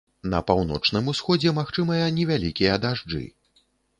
На паўночным усходзе магчымыя невялікія дажджы.